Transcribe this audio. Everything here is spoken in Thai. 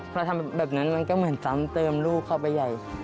พอทำแบบนั้นมันก็เหมือนซ้ำเติมลูกเข้าไปใหญ่